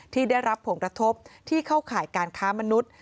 ที่ได้รับผลกระทบที่เข้าข่ายการค้ามนุษย์